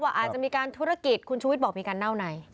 อาจจะมีการธุรกิจคุณชูวิทย์บอกมีการเน่าใน